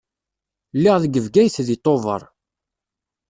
Lliɣ deg Bgayet deg Tubeṛ.